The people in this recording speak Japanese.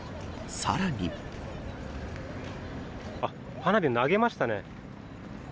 あっ、花火を投げましたね。